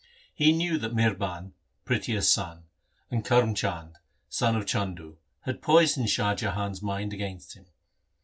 He knew that Mihrban (Prithia's son) and Karm Chand (son of Chandu) had poisoned Shah Jahan's mind against him.